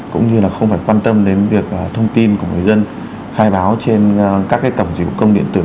cũng như là không phải quan tâm đến việc thông tin của người dân khai báo trên các cổng dịch vụ công điện tử